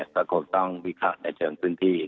ก็คงต้องวิเคราะห์ในเชิงพื้นที่